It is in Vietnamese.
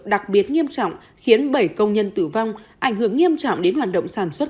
đặc biệt nghiêm trọng khiến bảy công nhân tử vong ảnh hưởng nghiêm trọng đến hoạt động sản xuất